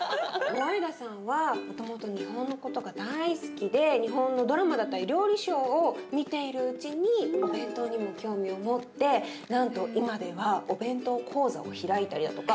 ロワイダさんはもともと日本のことが大好きで日本のドラマだったり料理ショーを見ているうちにお弁当にも興味を持ってなんと今ではお弁当講座を開いたりだとか。